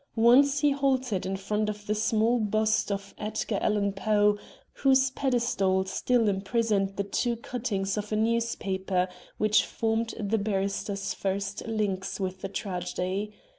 Once he halted in front of the small bust of Edgar Allan Poe, whose pedestal still imprisoned the two cuttings of a newspaper which formed the barrister's first links with the tragedy.